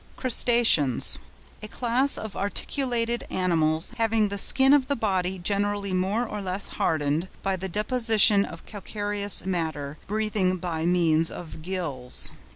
CRUSTACEANS.—A class of articulated animals, having the skin of the body generally more or less hardened by the deposition of calcareous matter, breathing by means of gills.